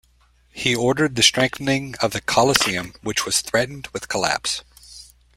He ordered the strengthening of the Colosseum, which was threatened with collapse.